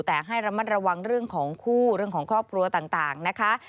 แต่ให้ระมัดระวังเรื่องของคู่เรื่องของครอบครัวต่างนะคะ